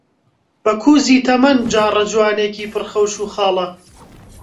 بەکووزی تەمەن جاڕەجوانێکی پڕ خەوش و خاڵە،